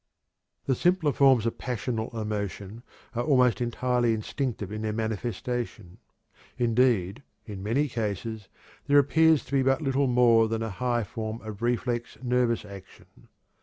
The simpler forms of passional emotion are almost entirely instinctive in their manifestation. Indeed, in many cases, there appears to be but little more than a high form of reflex nervous action.